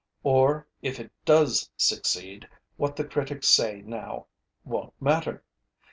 Or if it does succeed, what the critics say now wonÆt matter.